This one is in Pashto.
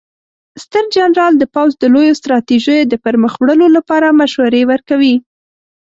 ستر جنرال د پوځ د لویو ستراتیژیو د پرمخ وړلو لپاره مشورې ورکوي.